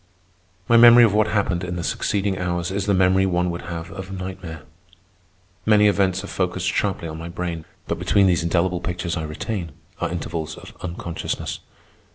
My memory of what happened in the succeeding hours is the memory one would have of nightmare. Many events are focussed sharply on my brain, but between these indelible pictures I retain are intervals of unconsciousness.